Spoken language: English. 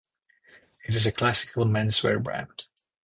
It is a classical menswear brand.